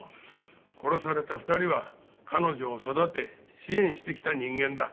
殺された２人は彼女を育て支援してきた人間だ。